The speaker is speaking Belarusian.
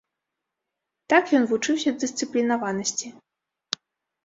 Так ён вучыўся дысцыплінаванасці.